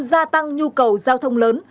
gia tăng nhu cầu giao thông lớn